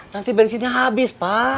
nanti bensinnya habis pak